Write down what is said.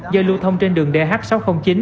do lưu thông trên đường dh sáu trăm linh chín